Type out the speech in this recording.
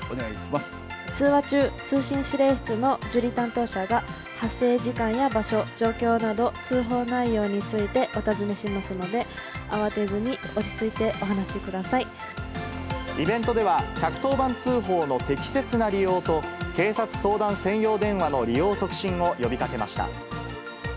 通話中、通信指令室の受理担当者が、発生時間や場所、状況など通報内容についてお尋ねしますので、慌てずに落ち着いてイベントでは、１１０番通報の適切な利用と、警察相談専用電話の利用促進を呼びかけました。